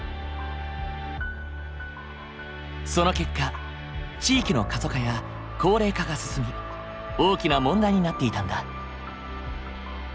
その結果地域の過疎化や高齢化が進み大きな問題になっていたんだ。